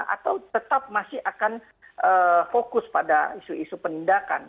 atau tetap masih akan fokus pada isu isu penindakan